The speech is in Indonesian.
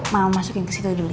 mau masukin ke situ dulu